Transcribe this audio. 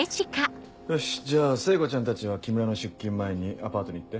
よしじゃあ聖子ちゃんたちは木村の出勤前にアパートに行って。